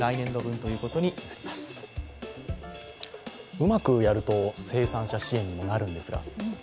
うまくやると生産者支援にもなるんですが。